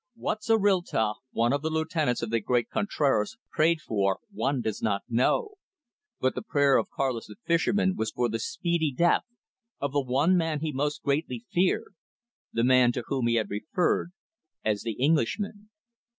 What Zorrilta, one of the lieutenants of the great Contraras, prayed for one does not know, but the prayer of Carlos the fisherman was for the speedy death of the one man he most greatly feared, the man to whom he had referred as "the Englishman."